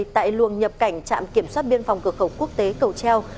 tại luồng nhập cảnh trạm kiểm soát biên phòng cửa khẩu quốc tế cầu treo